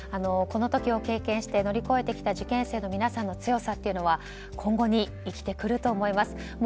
この時を経験して乗り越えてきた受験生の皆さんの強さというのは今後にいきてくると思います。